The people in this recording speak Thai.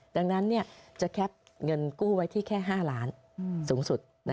ดังนั้นจะแคปเงินกู้ไว้ที่แค่๕ล้านสูงสุด